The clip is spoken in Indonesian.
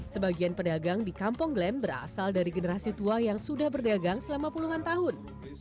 sebagian pedagang di kampung glam berasal dari generasi tua yang sudah berdagang selama puluhan tahun